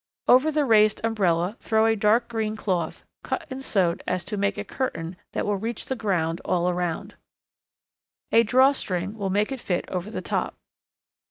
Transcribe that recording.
Over the raised umbrella throw a dark green cloth cut and sewed so as to make a curtain that will reach the ground all round. A draw string will make it fit over the top.